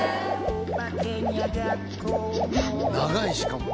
「長いしかも」